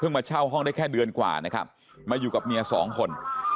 มาเช่าห้องได้แค่เดือนกว่านะครับมาอยู่กับเมียสองคน